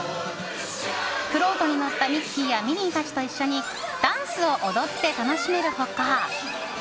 フロートに乗ったミッキーやミニーたちと一緒にダンスを踊って楽しめる他